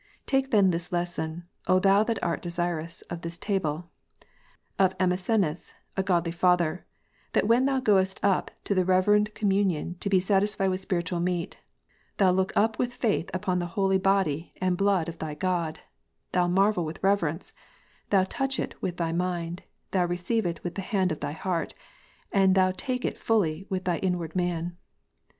Take then this lesson, thou that art desirous of this table, of Emissenus, a godly Father, that when thou goest up to the reverend com munion to be satisfied with spiritual meat, thou look up with faith upon the holy body and blood of thy God, thou marvel with reverence, thou touch it with thy mind, thou receive it with the hand of thy heart, and thou take it fully with thy inward man."